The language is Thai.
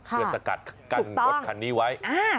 เพื่อสกัดกั้นรถคันนี้ไว้